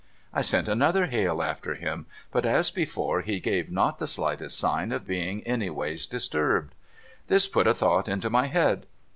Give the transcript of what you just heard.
I sent another hail after him, but as before he gave not the slightest sign of being anyways disturbed. This put a thought into my head.